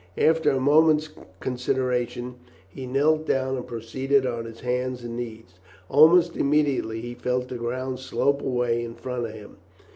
After a moment's consideration he knelt down and proceeded on his hands and knees. Almost immediately he felt the ground slope away in front of him.